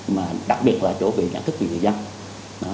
mà đặc biệt là chỗ về nhận thức về người dân